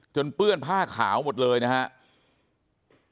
เปื้อนผ้าขาวหมดเลยนะครับ